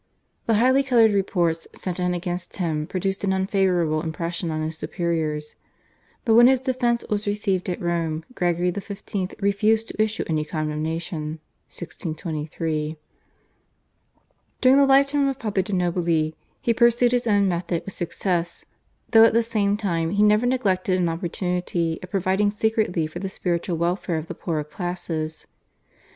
The highly coloured reports sent in against him produced an unfavourable impression on his superiors, but when his defence was received at Rome Gregory XV. refused to issue any condemnation (1623). During the lifetime of Father de' Nobili he pursued his own method with success, though at the same time he never neglected an opportunity of providing secretly for the spiritual welfare of the poorer classes.